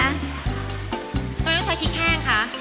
ไม่ต้องใช้พริกแห้งค่ะ